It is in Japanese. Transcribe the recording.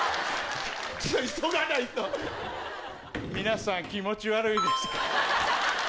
・急がないと・皆さん気持ち悪いですか？